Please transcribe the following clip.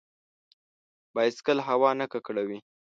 بایسکل هوا نه ککړوي.